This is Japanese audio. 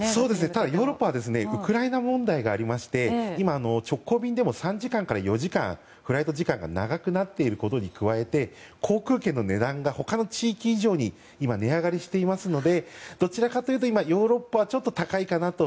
ただヨーロッパはウクライナ問題がありまして今、直行便でも３時間から４時間フライト時間が長くなっていることに加えて航空券の値段が他の地域以上に今、値上がりしていますのでどちらかというと今、ヨーロッパはちょっと高いかなと。